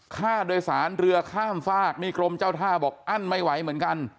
ค่าโดยสารเรือข้ามฝากนี่กรมเจ้าท่าบอกอั้นไม่ไหวเหมือนกัน